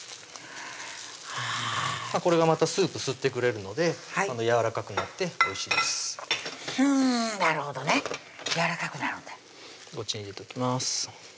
これがまたスープ吸ってくれるのでやわらかくなっておいしいですふんなるほどねやわらかくなるんだこっちに入れときます